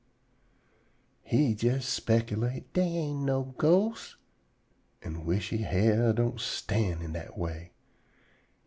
He jes speculate, "Dey ain't no ghosts," an' wish he hair don't stand on ind dat way.